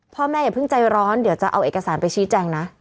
อย่าเพิ่งใจร้อนเดี๋ยวจะเอาเอกสารไปชี้แจงนะ